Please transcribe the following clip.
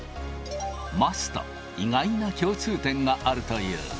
桝と意外な共通点があるという。